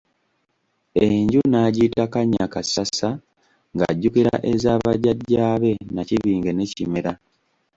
Enju n'agiyita Kannyakassasa ng'ajjukira eza bajjajja be Nnakibinge ne Kimera.